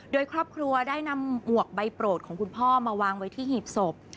โดยครอบครัวได้นำหมวกใบโปรดของคุณพ่อมาวางไว้ที่หีบศพ